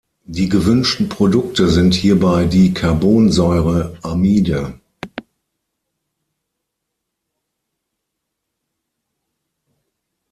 Die gewünschten Produkte sind hierbei die Carbonsäureamide.